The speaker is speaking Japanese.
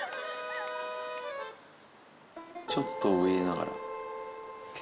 ちょっとおびえながら。